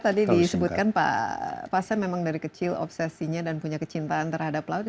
tadi disebutkan pak pasang memang dari kecil obsesinya dan punya kecintaan terhadap laut